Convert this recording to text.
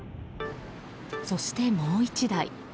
そして、もう１台。